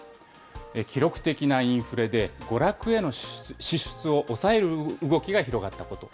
記録的なインフレで、娯楽への支出を抑える動きが広がったこと。